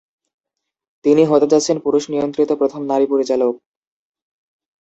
তিনি হতে যাচ্ছেন পুরুষ-নিয়ন্ত্রিত প্রথম নারী পরিচালক।